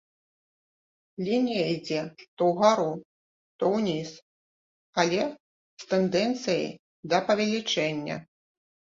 Лінія ідзе то ўгару, то ўніз, але з тэндэнцыяй да павелічэння.